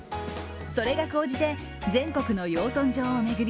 それが高じて全国の養豚場を巡り